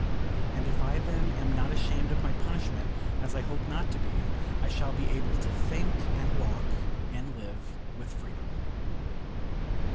And if I then am not ashamed of my punishment, as I hope not to be, I shall be able to think, and walk, and live with freedom.